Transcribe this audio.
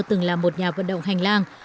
từng là một nhà vận động hành lang